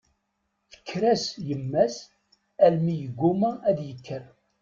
Tekker-as yemma-s almi yeggumma ad ikker.